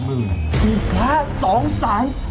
หรือเปล่า๒๗๐๐บาท